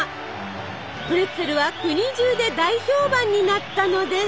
プレッツェルは国中で大評判になったのです。